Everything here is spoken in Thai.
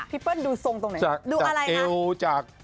พี่เปิ้ลดูทรงตรงไหน